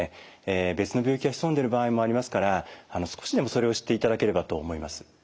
別の病気が潜んでいる場合もありますから少しでもそれを知っていただければと思います。